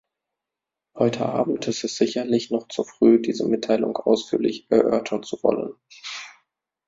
Heute Abend ist es sicherlich noch zu früh, diese Mitteilung ausführlich erörtern zu wollen.